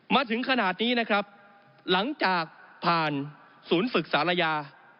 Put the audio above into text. มาถึงขนาดนี้นะครับหลังจากผ่านศูนย์ฝึกศาลายา